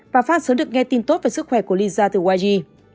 và fan sớm được nghe tin tốt về sức khỏe của lisa từ yg